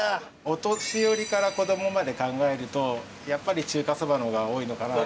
お年寄りから子供まで考えるとやっぱり中華そばの方が多いのかな。